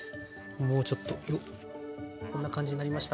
もうちょっとよっこんな感じになりました。